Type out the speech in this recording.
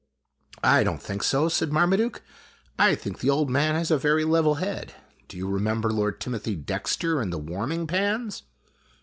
" I don't think so," said Marmaduke. " I think the old man has a very level head. Do you remember Lord Timothy Dexter and the warming pans